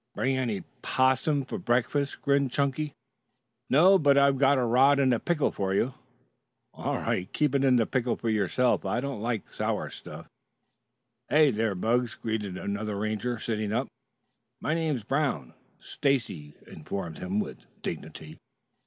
"Bring any 'possum for breakfast?" grinned Chunky. "No, but I've a rod in pickle for you." "All right. Keep it in pickle for yourself. I don't like sour stuff." "Hey, there, Bugs!" greeted another Ranger sitting up. "My name's Brown," Stacy informed him with dignity.